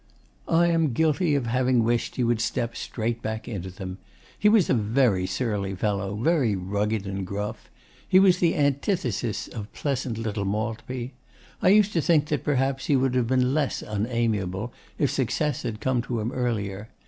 I am guilty of having wished he would step straight back into them. He was a very surly fellow, very rugged and gruff. He was the antithesis of pleasant little Maltby. I used to think that perhaps he would have been less unamiable if success had come to him earlier.